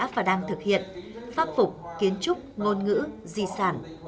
pháp phục kiến trúc ngôn ngữ di sản